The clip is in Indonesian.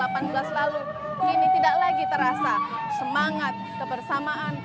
pada tahun dua ribu delapan belas lalu ini tidak lagi terasa semangat kebersamaan